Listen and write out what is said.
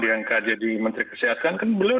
diangkat jadi menteri kesehatan kan belum